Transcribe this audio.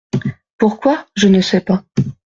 Pourquoi ? je ne sais.